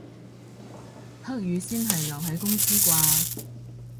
黑雨先係留喺公司啩